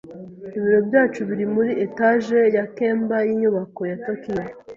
Ibiro byacu biri muri etage ya kemba yinyubako ya Tokiyo.